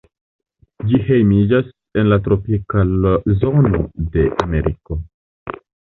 Ĝi hejmiĝas en la tropika zono de Ameriko.